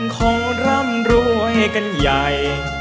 คงร่ำรวยกันใหญ่